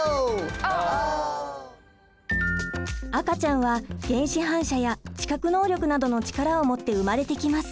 赤ちゃんは原始反射や知覚能力などの力を持って生まれてきます。